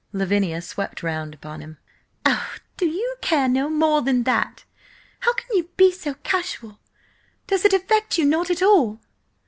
Lavinia swept round upon him. "Oh, do you care no more than that? How can you be so casual! Does it affect you not at all?"